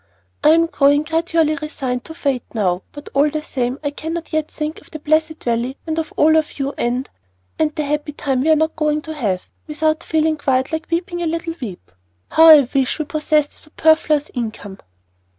I am growing gradually resigned to Fate now, but all the same I cannot yet think of the blessed Valley and all of you, and and the happy time we are not going to have, without feeling quite like 'weeping a little weep.' How I wish that we possessed a superfluous income!"